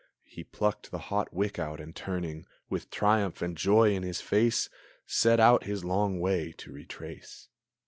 He plucked the hot wick out, and, turning, With triumph and joy in his face, Set out his long way to retrace.